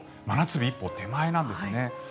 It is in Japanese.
真夏日一歩手前なんですね。